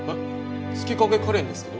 月影カレンですけど。